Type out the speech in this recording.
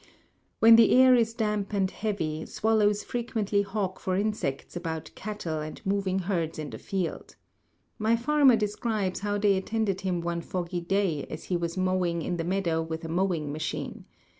When the air is damp and heavy, swallows frequently hawk for insects about cattle and moving herds in the field. My farmer describes how they attended him one foggy day, as he was mowing in the meadow with a mowing machine.